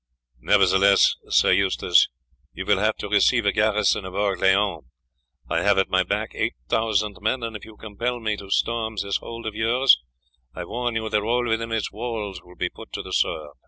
"Nevertheless, Sir Eustace, you will have to receive a garrison of Orleans. I have at my back eight thousand men, and if you compel me to storm this hold of yours I warn you that all within its walls will be put to the sword."